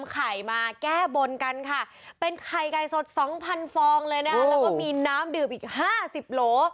จะทำแบบอย่างนี้นะครับ